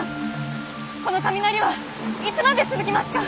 この雷はいつまで続きますか？